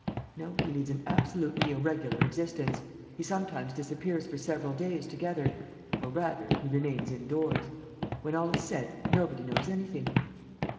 "No, he leads an absolutely irregular existence. He sometimes disappears for several days together ... or, rather, he remains indoors. When all is said, nobody knows anything."